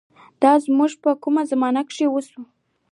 دا مونږ په کومه زمانه کښې اوسو